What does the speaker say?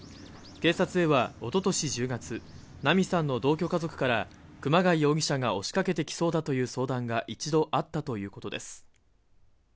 警察へはおととし１０月菜美さんの同居家族から熊谷容疑者が押しかけてきそうだという相談が一度あったということです